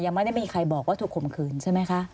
ไม่ได้มีใครบอกว่าถูกข่มขืนใช่ไหมคะ